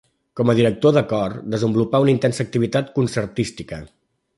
Com a director de cor desenvolupà una intensa activitat concertística.